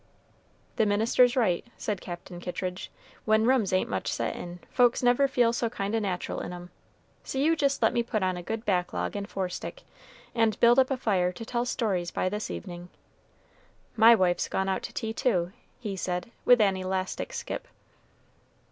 "The minister's right," said Captain Kittridge. "When rooms ain't much set in, folks never feel so kind o' natural in 'em. So you jist let me put on a good back log and forestick, and build up a fire to tell stories by this evening. My wife's gone out to tea, too," he said, with an elastic skip.